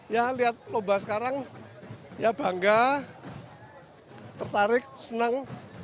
ya lihat lomba sekarang ya bangga tertarik senang